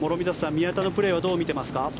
宮田のプレーはどう見ていますか？